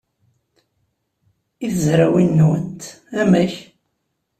I tezrawin-nwent, amek?